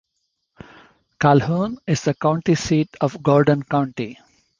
Calhoun is the county seat of Gordon County.